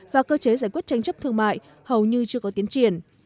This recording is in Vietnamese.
và cơ chế giải quyết tranh chấp thương mại hầu như chưa có tiến triển